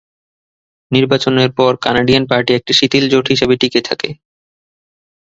নির্বাচনের পর Canadian party একটি শিথিল জোট হিসেবে টিকে থাকে।